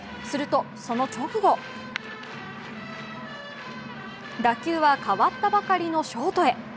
すると、その直後打球は代わったばかりのショートへ。